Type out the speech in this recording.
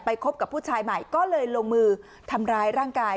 คบกับผู้ชายใหม่ก็เลยลงมือทำร้ายร่างกาย